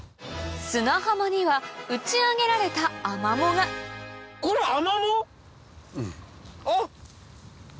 砂浜には打ち上げられたアマモがあっ。